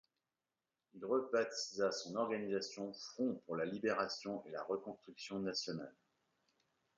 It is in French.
Il rebaptisa son organisation Front pour la Libération et la Reconstruction Nationales.